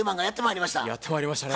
やってまいりましたね。